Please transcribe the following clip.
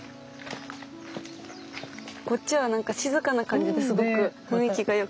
こっちはなんか静かな感じですごく雰囲気がよくて。